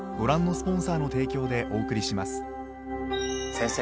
先生